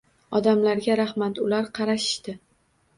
Odamlarga rahmat, ular qarashishdi.